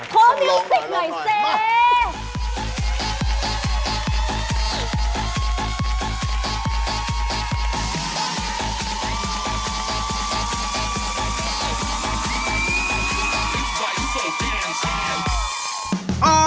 เพราะวิวสิคหน่อยเซ